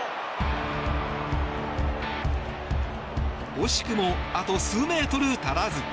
惜しくもあと数メートル足らず。